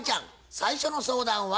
最初の相談は？